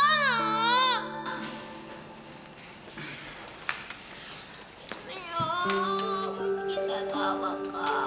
kamu udah nangis